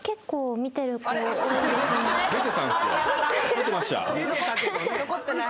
出てました。